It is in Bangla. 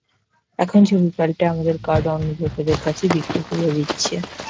এখন ছবি পাল্টে আমাদের কার্ড অন্য লোকদের কাছে বিক্রি করে দিচ্ছে।